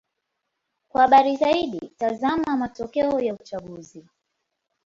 Kwa habari zaidi: tazama matokeo ya uchaguzi.